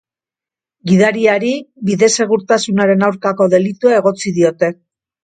Gidariari bide-segurtasunaren aurkako delitua egotzi diote.